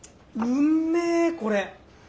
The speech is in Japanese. うんめこれ。